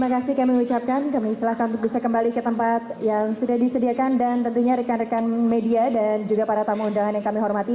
kami akan ke tempat yang sudah disediakan dan tentunya rekan rekan media dan juga para tamu undangan yang kami hormati